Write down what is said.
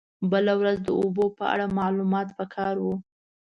بله ورځ د اوبو په اړه معلومات په کار و.